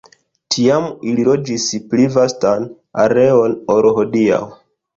Tiam ili loĝis pli vastan areon ol hodiaŭ.